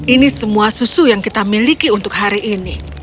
ini semua susu yang kita miliki untuk hari ini